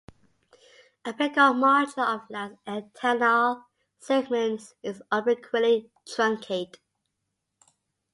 Apical margin of last antennal segment is obliquely truncate.